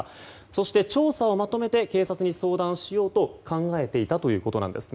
そして調査をまとめて警察に相談しようと考えていたということです。